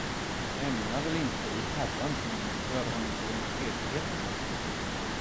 Du ämnar väl inte, i Herrans namn, göra honom till en sedlighetens apostel.